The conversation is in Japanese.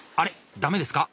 ダメですか。